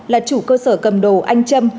là chủ cơ sở cầm đồ anh trâm